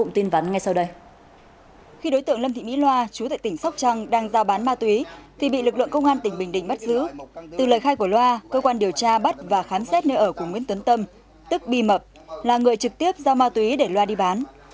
từ lời khai của loa cơ quan điều tra bắt và khám xét nơi ở của nguyễn tuấn tâm tức bì mập là người trực tiếp giao ma túy để loa đi bán